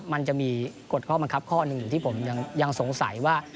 มันจะมีกฎข้อบังคับข้อหนึ่งอยู่ที่ผมยังสงสัยว่า